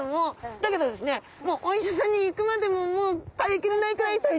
だけどですねお医者さんに行くまでももう耐えきれないくらい痛いです。